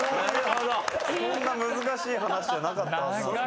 そんな難しい話じゃなかったはずなんですけど。